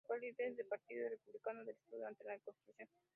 Fue el líder del partido republicano del estado durante la reconstrucción.